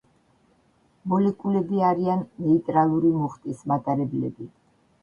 მოლეკულები არიან ნეიტრალური მუხტის მატარებლები.